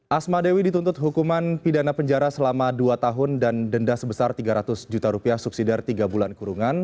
asma dewi dituntut hukuman pidana penjara selama dua tahun dan denda sebesar tiga ratus juta rupiah subsidi dari tiga bulan kurungan